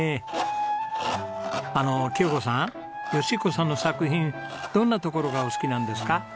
義彦さんの作品どんなところがお好きなんですか？